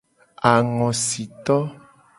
Angosito.